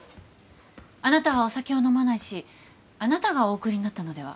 あなたはお酒を飲まないしあなたがお送りになったのでは？